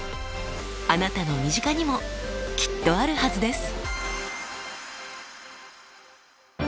あなたの身近にもきっとあるはずです！